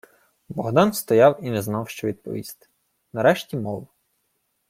Богдан стояв і не знав, що відповісти. Нарешті мовив: